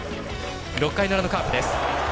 ６回の裏のカープ。